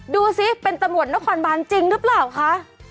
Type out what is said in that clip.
ดูสิเป็นตำรวจนครบานจริงหรือเปล่าคะ